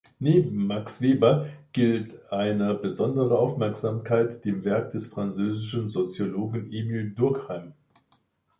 Neben Max Weber gilt eine besondere Aufmerksamkeit dem Werk des französischen Soziologen Emile Durkheim.